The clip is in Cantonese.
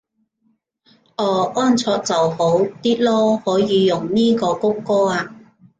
哦安卓就好啲囉，可以用呢個穀歌啊